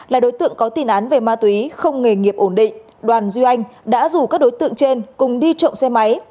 là đối tượng có tiền án về ma túy không nghề nghiệp ổn định đoàn duy anh đã rủ các đối tượng trên cùng đi trộm xe máy